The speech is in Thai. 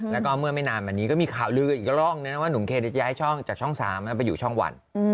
แล้วมานี้มีข่าวลืออีกล่องว่านุ่มเคนจะย้ายช่องยังเป็นช่องวัน